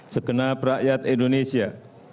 sekenal rakyat indonesia